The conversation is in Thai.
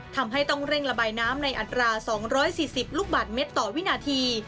ทำให้ต้องเร่งระบายน้ำในอัตรา๒๔๐ลูกบาทเมตรต่อวินาที